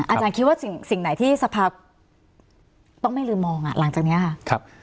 อาจารย์คิดว่าสิ่งไหนที่สภาพต้องไม่ลืมมองหลังจากนี้ค่ะ